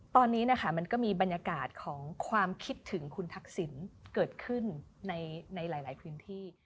ตอนนี้นะคะมันก็มีบรรยากาศของความคิดถึงคุณทักษิณเกิดขึ้นในหลายพื้นที่